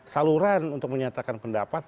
saluran untuk menyatakan pendapat